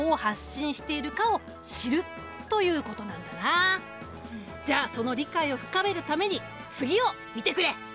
その第一歩がじゃあその理解を深めるために次を見てくれ！